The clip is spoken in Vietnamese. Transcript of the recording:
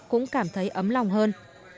cũng cảm thấy ấm lòng hơn